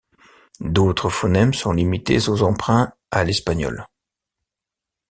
D'autres phonèmes sont limités aux emprunts à l'espagnol.